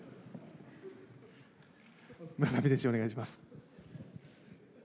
村上選手、お願いします。